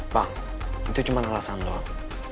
pak itu cuma alasan doang